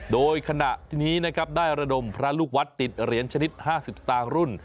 โดยขณะที่นี้นะครับได้ระดมพระลูกวัดติดเหรียญชนิด๕๐สตางค์รุ่น